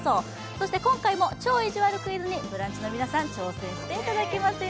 そして今回も「超いじわるクイズ」にブランチの皆さんも挑戦していただきますよ。